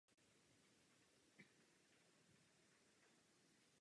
Takovéto překážky způsobují i materiální ztráty pro turismus v Polsku.